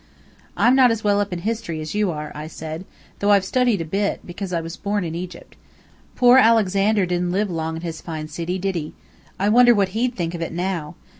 "I'm not as well up in history as you are," I said, "though I've studied a bit, because I was born in Egypt. Poor Alexander didn't live long in his fine city, did he? I wonder what he'd think of it now?